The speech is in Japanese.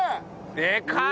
でかい！